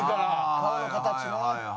顔の形ね。